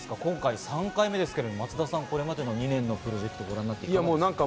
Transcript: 今回、３回目ですけれども、これまでの２年、プロジェクトご覧になって、いかがですか？